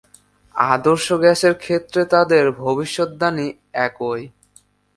আদর্শ গ্যাসের ক্ষেত্রে তাদের ভবিষ্যদ্বাণী একই।